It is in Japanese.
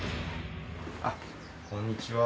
あっこんにちは。